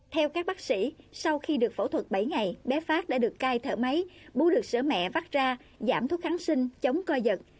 theo các bác sĩ sau khi được phẫu thuật bảy ngày bé phát đã được cai thở máy bú được sữa mẹ vắt ra giảm thuốc kháng sinh chống co giật